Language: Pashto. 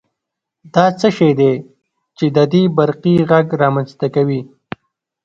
دا څه شی دی چې د دې جرقې غږ رامنځته کوي؟